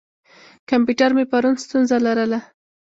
کمپیوټر مې پرون ستونزه لرله.